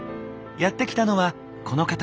やって来たのはこの方。